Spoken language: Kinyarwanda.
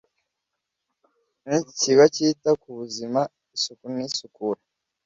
ni ikigo kita ku ubuzima isuku n isukura